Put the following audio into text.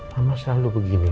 mama selalu begini